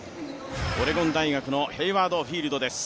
オレゴン大学のヘイワード・フィールドです。